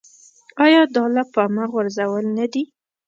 ایا دا له پامه غورځول نه دي.